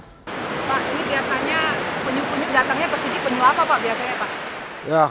pak ini biasanya penyu penyu datangnya ke sini penyu apa pak biasanya pak